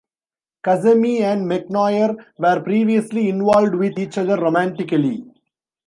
Kazemi and McNair were previously involved with each other romantically.